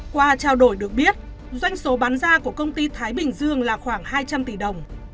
qua trao đổi được biết doanh số bán ra của công ty thái bình dương là khoảng hai trăm linh tỷ đồng